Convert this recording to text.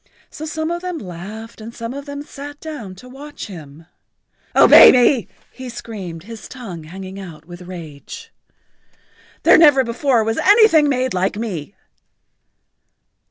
So some of them laughed and some of them sat down to watch him. "Obey me!" he screamed, his tongue hanging out with rage. "There never before was anything made like me."